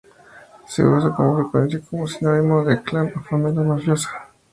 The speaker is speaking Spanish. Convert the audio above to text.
Se usa con frecuencia como sinónimo de clan o familia mafiosa.